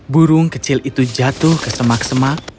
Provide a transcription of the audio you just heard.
burung kecil itu jatuh ke semak semak